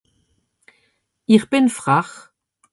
ir bìn frach